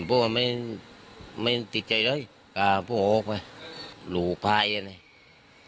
พวกมันไม่ไม่ติดใจเลยก็พวกมันออกไปลูกพายอ่ะเนี่ย